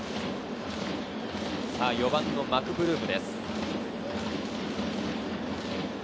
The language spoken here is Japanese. ４番・マクブルームです。